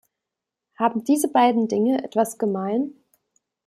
Haben diese beiden Dinge etwas gemein?